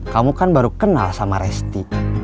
kamu kan baru kenal sama resti